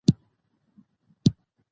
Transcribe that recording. پښتونخوا کي متون څېړل سوي دي.